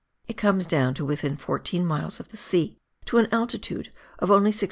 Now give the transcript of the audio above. It comes down to within 14 miles of the sea to an altitude of only 692 ft.